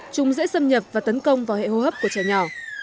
chúng dễ xâm nhập và tấn công vào hệ hô hấp của trẻ nhỏ